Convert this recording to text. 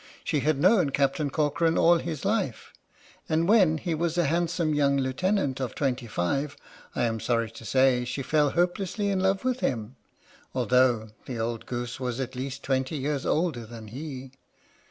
She had known Captain Corcoran all his life, and when he was a handsome young lieutenant of twenty five I am sorry to say she fell hopelessly in love with him, although the old goose was at least twenty years older than he.